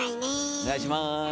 お願いします。